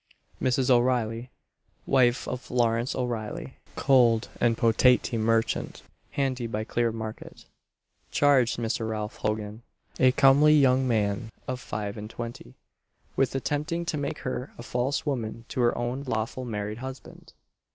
Mrs. O'Reilly, wife of Laurence O'Reilly, "coal and potaty merchant, handy by Clear market," charged Mr. Ralph Hogan, a comely young man, of five and twenty, with attempting to make her a false woman to her own lawful married husband!